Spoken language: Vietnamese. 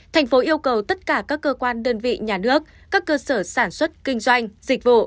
thành phố yêu cầu tất cả các cơ quan đơn vị nhà nước các cơ sở sản xuất kinh doanh dịch vụ